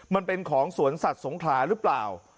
มันเป็นของสวนสัตว์สงขลาหรือเปล่า